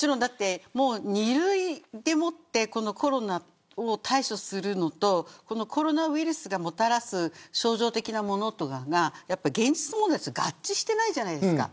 ２類でもってコロナを対処するのとこのコロナウイルスがもたらす症状的なものとが現実問題と合致していないじゃないですか。